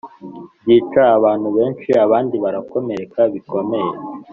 byica abantu benshi abandi barakomereka bikomeye